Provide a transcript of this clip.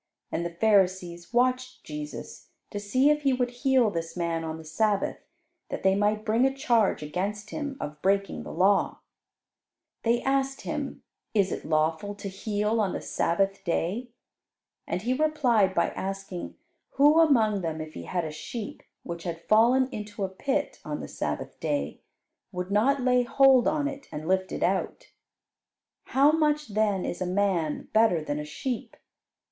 And the Pharisees watched Jesus, to see if He would heal this man on the Sabbath, that they might bring a charge against Him of breaking the law. They asked Him, "Is it lawful to heal on the Sabbath day?" and He replied by asking who among them, if he had a sheep which had fallen into a pit on the Sabbath day, would not lay hold on it, and lift it out. "How much then is a man better than a sheep?